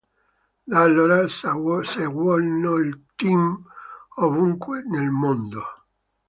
Da allora seguono il team ovunque nel mondo.